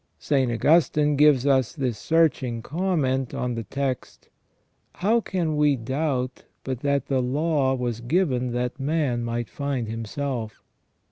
St. Augustine gives us this searching comment on the text :" How can we doubt but that the law was given that man might find himself?